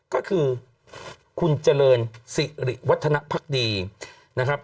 ก็คือคุณเจริญสิริวัฒนภักดีนะครับ